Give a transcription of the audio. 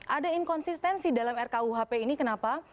ada inkonsistensi dalam rkuhp ini kenapa